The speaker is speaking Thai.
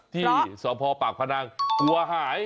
ที่สพปากพนังกลัวหาย